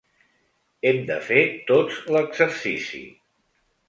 Hem de fer tots l’exercici.